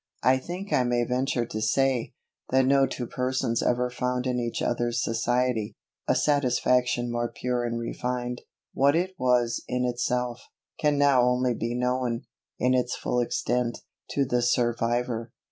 I think I may venture to say, that no two persons ever found in each other's society, a satisfaction more pure and refined. What it was in itself, can now only be known, in its full extent, to the survivor.